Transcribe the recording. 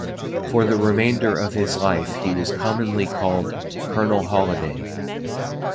For the remainder of his life he was commonly called "Colonel Holladay".